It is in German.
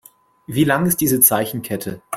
Wie lang ist diese Zeichenkette?